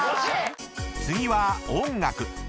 ［次は音楽］